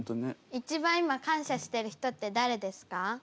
一番今感謝してる人って誰ですか？